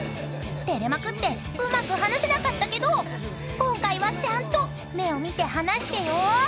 ［照れまくってうまく話せなかったけど今回はちゃんと目を見て話してよ］